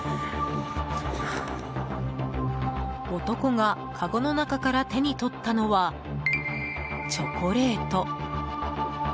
男が、かごの中から手に取ったのはチョコレート。